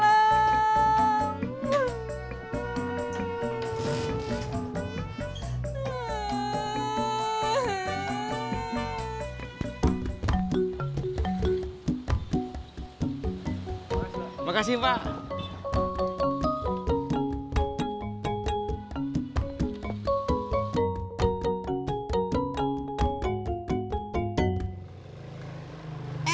terima kasih pak